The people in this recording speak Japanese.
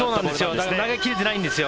だから投げ切れてないんですよ。